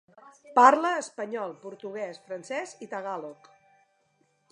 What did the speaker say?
Parla espanyol, portuguès, francès i tagàlog.